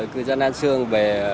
cư dân an sương về